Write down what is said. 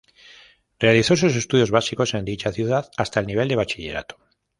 Realizó sus estudios básicos en dicha ciudad hasta el nivel de bachillerato.